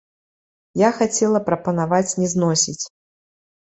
Я хацела прапанаваць не зносіць!